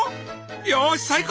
よし最高！